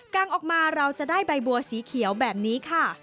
งออกมาเราจะได้ใบบัวสีเขียวแบบนี้ค่ะ